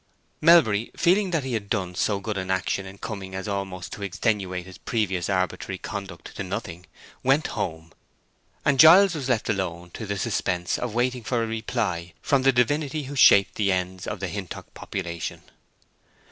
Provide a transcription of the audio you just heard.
Melbury feeling that he had done so good an action in coming as almost to extenuate his previous arbitrary conduct to nothing, went home; and Giles was left alone to the suspense of waiting for a reply from the divinity who shaped the ends of the Hintock population.